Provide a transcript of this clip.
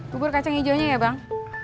bubur kacang ijo nya ya bang